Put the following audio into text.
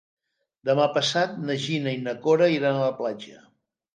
Demà passat na Gina i na Cora iran a la platja.